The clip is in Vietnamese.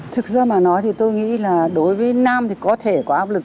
thực ra mà nói thì tôi nghĩ là đối với nam thì có thể có áp lực